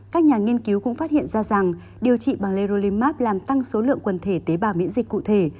các nhà nghiên cứu cũng phát hiện ra rằng điều trị bằng leolymark làm tăng số lượng quần thể tế bào miễn dịch cụ thể